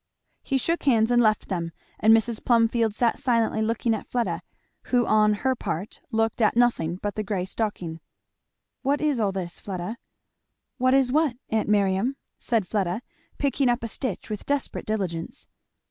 He shook hands and left them; and Mrs. Plumfield sat silently looking at Fleda, who on her part looked at nothing but the grey stocking. "What is all this, Fleda?" "What is what, aunt Miriam?" said Fleda, picking up a stitch with desperate diligence.